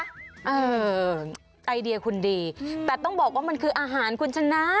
เออไอเดียคุณดีแต่ต้องบอกว่ามันคืออาหารคุณชนะ